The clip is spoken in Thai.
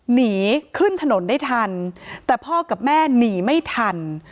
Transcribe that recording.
หนีขึ้นถนนได้ทันแต่พ่อกับแม่หนีไม่ทัน